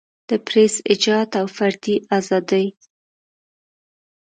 د پریس ایجاد او فردي ازادۍ.